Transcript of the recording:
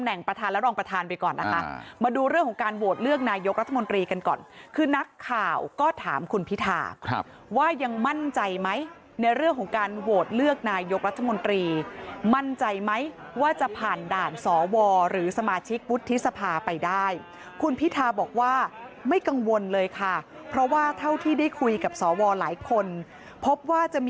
ประธานและรองประธานไปก่อนนะคะมาดูเรื่องของการโหวตเลือกนายกรัฐมนตรีกันก่อนคือนักข่าวก็ถามคุณพิธาว่ายังมั่นใจไหมในเรื่องของการโหวตเลือกนายกรัฐมนตรีมั่นใจไหมว่าจะผ่านด่านสวหรือสมาชิกวุฒิสภาไปได้คุณพิธาบอกว่าไม่กังวลเลยค่ะเพราะว่าเท่าที่ได้คุยกับสวหลายคนพบว่าจะมี